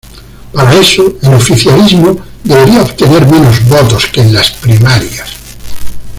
Para eso, el oficialismo debería obtener menos votos que en las primarias.